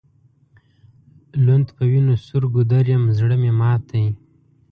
لوند په وینو سور ګودر یم زړه مي مات دی